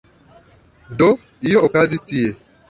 Do… io okazis tie.